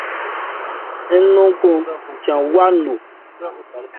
Ń hɔn nkɔn ja wa no.